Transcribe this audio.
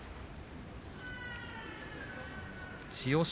千代翔